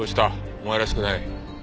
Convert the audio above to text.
お前らしくない。